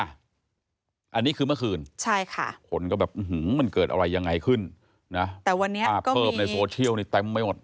อันนี้คือเมื่อคืนคนก็แบบมันเกิดอะไรยังไงขึ้นภาพเพิ่มในโซเชียลนี่เต็มไปหมด